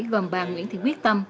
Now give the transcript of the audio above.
gồm bà nguyễn thị quyết tâm